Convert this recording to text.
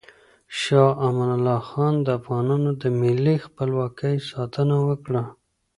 شاه امان الله خان د افغانانو د ملي خپلواکۍ ساتنه وکړه.